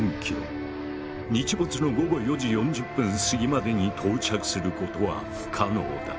日没の午後４時４０分すぎまでに到着することは不可能だ。